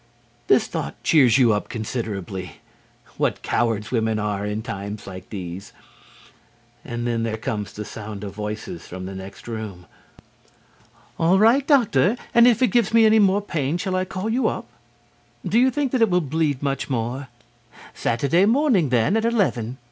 This thought cheers you up considerably. What cowards women are in times like these! And then there comes the sound of voices from the next room. "All right, Doctor, and if it gives me any more pain shall I call you up?... Do you think that it will bleed much more?... Saturday morning, then, at eleven....